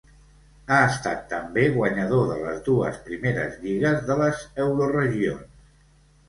Ha estat també guanyador de les dues primeres lligues de les Euroregions.